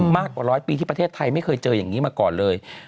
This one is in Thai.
มากกว่าร้อยปีที่ประเทศไทยไม่เคยเจออย่างนี้มาก่อนเลย